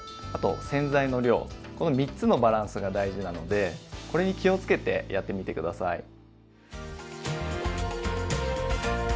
あと洗剤の量この３つのバランスが大事なのでこれに気をつけてやってみて下さい。